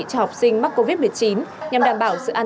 cho học sinh mắc covid một mươi chín nhằm đảm bảo sự an toàn